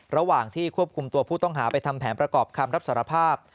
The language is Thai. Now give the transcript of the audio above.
ระหว่างที่ควบคุมตัวผู้ต้องหาไปทำแผนประกอบคำรับสารภาพ